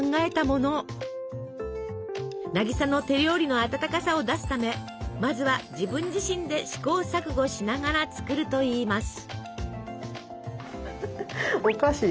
渚の手料理の温かさを出すためまずは自分自身で試行錯誤しながら作るといいます。